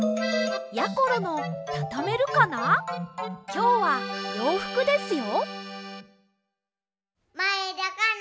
きょうはようふくですよ。